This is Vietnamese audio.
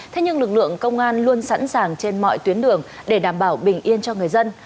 thế nhưng lực lượng công an luôn sẵn sàng trên mọi tuyến đường để đảm bảo bình yên cho người dân